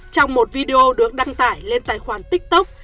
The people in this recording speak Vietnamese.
trong một video được đăng tải lên tài khoản tiktok